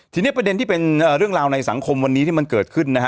ทีนี้ประเด็นที่เป็นเรื่องราวในสังคมวันนี้ที่มันเกิดขึ้นนะฮะ